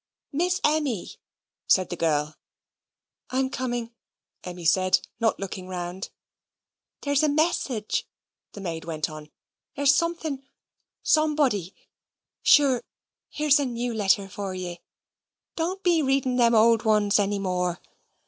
"Miss Emmy," said the girl. "I'm coming," Emmy said, not looking round. "There's a message," the maid went on. "There's something somebody sure, here's a new letter for you don't be reading them old ones any more."